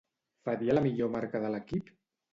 Faria la millor marca de l'equip?